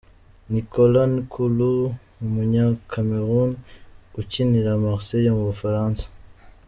Nicolas N’koulou, umunyakameruni ukinira Marseille mu Bufaransa.